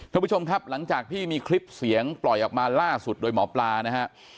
ท่านผู้ชมครับหลังจากที่มีคลิปเสียงปล่อยออกมาล่าสุดโดยหมอปลานะฮะ